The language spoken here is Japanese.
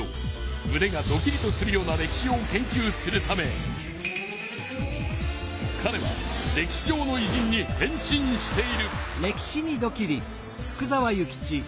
むねがドキリとするような歴史を研究するためかれは歴史上のいじんに変身している。